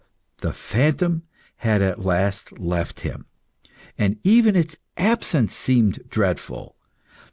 The phantom had at last left him, and even its absence seemed dreadful.